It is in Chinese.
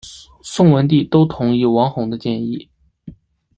宋文帝都同意王弘的建议。